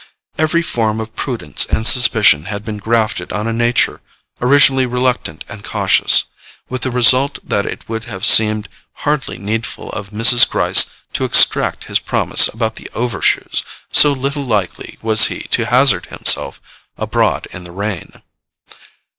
Every form of prudence and suspicion had been grafted on a nature originally reluctant and cautious, with the result that it would have seemed hardly needful for Mrs. Gryce to extract his promise about the overshoes, so little likely was he to hazard himself abroad in the rain.